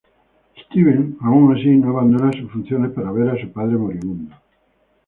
Stevens aun así no abandona sus funciones para ver a su padre moribundo.